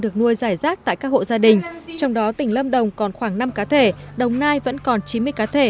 được nuôi rải rác tại các hộ gia đình trong đó tỉnh lâm đồng còn khoảng năm cá thể